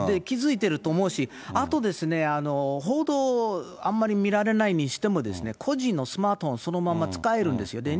気付いていると思うし、あと、報道あんまり見られないにしても、個人のスマートフォン、そのまま使えるんですよ。